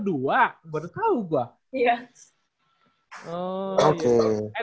gue baru tau gue